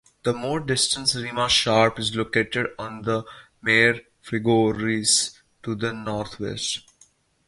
The more distant Rima Sharp is located on the Mare Frigoris to the northwest.